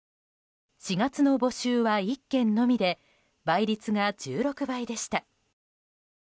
４月の募集は１件のみで倍率が１６倍でした。